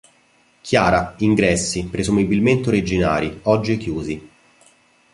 Chiara, ingressi presumibilmente originari, oggi chiusi.